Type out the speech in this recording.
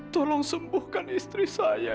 tolong sembuhkan istri saya